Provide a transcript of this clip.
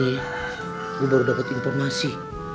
ye gue baru dapat informasi